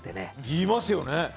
言いますよね。